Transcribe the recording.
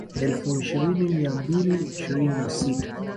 Elfu ishirini mia mbili ishirini na sita